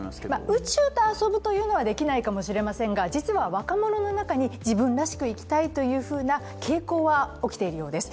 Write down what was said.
宇宙と遊ぶというのはできないかもしれませんが、実は若者の中に自分らしく生きたいというふうな傾向は起きているようです。